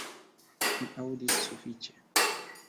Mi aŭdis sufiĉe.